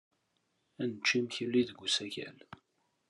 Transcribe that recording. Ad nečč imekli deg usakal.